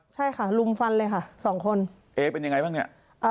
ใช่ค่ะลุมฟันเลยค่ะสองคนเอเป็นยังไงบ้างเนี่ย